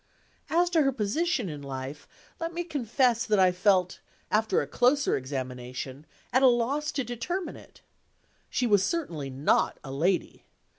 As to her position in life, let me confess that I felt, after a closer examination, at a loss to determine it. She was certainly not a lady.